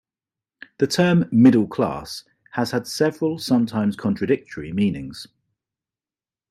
The term "middle class" has had several, sometimes contradictory, meanings.